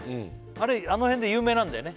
あれあの辺で有名なんだよね